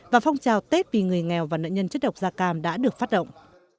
và phong trào tết vì người nghèo và nợ nhân chất độc da cam đã được phát động